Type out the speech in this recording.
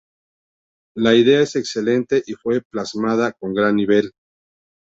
La idea es excelente y fue plasmada con gran nivel.